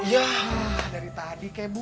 yah dari tadi kebu